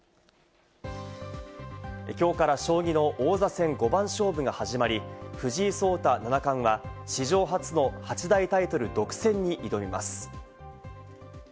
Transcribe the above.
きょうから将棋の王座戦五番勝負が始まり、藤井聡太七冠は史上初の八大タイトル独占に挑みます。